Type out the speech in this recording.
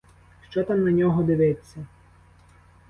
Що там на нього дивиться!